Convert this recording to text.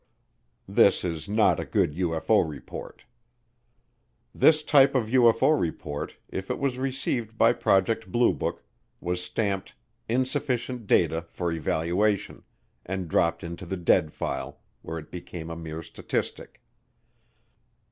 This is not a good UFO report. This type of UFO report, if it was received by Project Blue Book, was stamped "Insufficient Data for Evaluation" and dropped into the dead file, where it became a mere statistic.